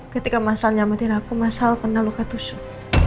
ketika mas al nyametin aku mas al kena luka tusuk